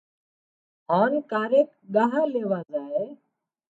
هانَ ڪاريڪ ڳاه ليوا زائي